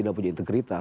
beliau punya integritas